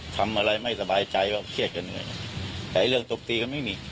ทำอะไรไม่สบายใจว่าเครียดกันเหนื่อยแต่เรื่องตบตีก็ไม่มี